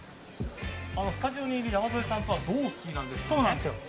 スタジオにいる山添さんとは同期なんですよね。